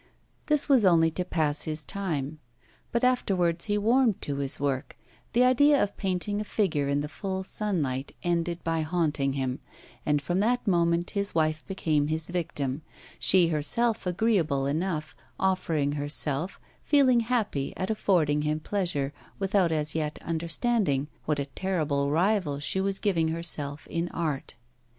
This was only to pass his time. But afterwards he warmed to his work; the idea of painting a figure in the full sunlight ended by haunting him; and from that moment his wife became his victim, she herself agreeable enough, offering herself, feeling happy at affording him pleasure, without as yet understanding what a terrible rival she was giving herself in art.